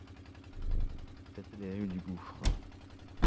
C’étaient les rues du gouffre.